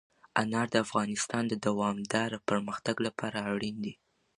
انار د افغانستان د دوامداره پرمختګ لپاره ډېر اړین دي.